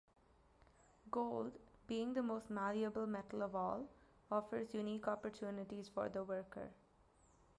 Gold, being the most malleable metal of all, offers unique opportunities for the worker.